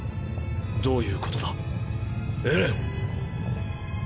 どういうことだエレン？